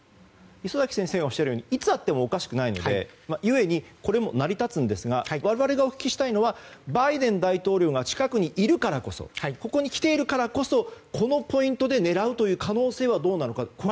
礒崎先生がおっしゃるようにいつあってもおかしくないのでゆえに、これも成り立つんですが我々がお聞きしたいのはバイデン大統領が近くにいるからこそここに来ているからこそこのポイントで狙うという可能性はどうなのか。